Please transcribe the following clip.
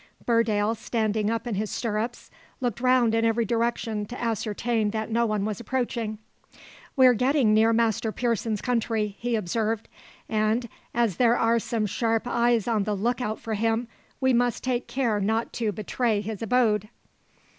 Burdale, standing up in his stirrups, looked round in every direction to ascertain that no one was approaching. "We're getting near Master Pearson's country," he observed, "and, as there are some sharp eyes on the look out for him, we must take care not to betray his abode."